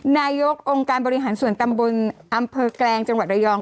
นายกองค์การบริหารส่วนตำบลอำเภอแกลงจังหวัดระยอง